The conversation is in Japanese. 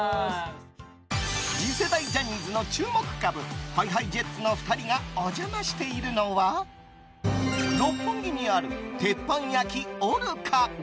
次世代ジャニーズの注目株ＨｉＨｉＪｅｔｓの２人がお邪魔しているのは六本木にある鉄板焼ＯＲＣＡ。